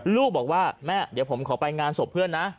ลูกบอกว่าแม่เดี๋ยวผมขอไปงานศพเพื่อนนะ